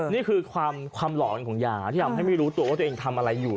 นี่คือความหลอนของยาที่ทำให้ไม่รู้ตัวว่าตัวเองทำอะไรอยู่